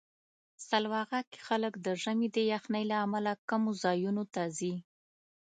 سلواغه کې خلک د ژمي د یخنۍ له امله کمو ځایونو ته ځي.